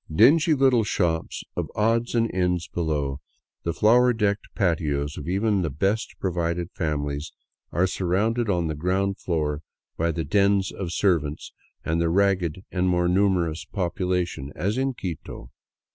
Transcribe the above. Dingy little shops of odds and ends below, the flower decked patios of even the best provided families are surrounded on the ground floor by the dens of servants and the ragged and more numerous population, as in Quito.